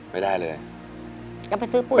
ไม่ได้จ้ะ